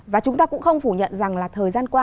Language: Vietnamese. và chúng ta cũng không phủ nhận rằng là thời gian qua